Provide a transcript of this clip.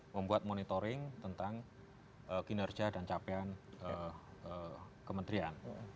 membuat monitoring tentang kinerja dan capaian kementerian